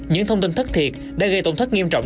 những thông tin thất thiệt đã gây tổn thất nghiêm trọng